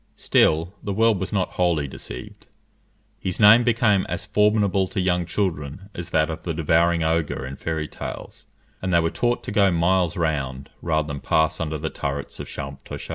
Still the world was not wholly deceived; his name became as formidable to young children as that of the devouring ogre in fairy tales, and they were taught to go miles round, rather than pass under the turrets of Champtocé.